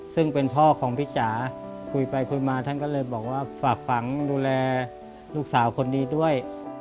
ซึ่งเป็นพ่อของพี่จ๋าคุยไปคุยมาท่านก็เลยบอกว่าฝากฝังดูแลลูกสาวคนนี้ด้วย